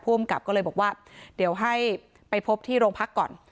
อำกับก็เลยบอกว่าเดี๋ยวให้ไปพบที่โรงพักก่อน